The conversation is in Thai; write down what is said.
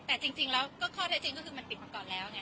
แต่จริงแล้วก็ข้อแท้ชิ้นก็คือมันปิดประกอบแล้วไง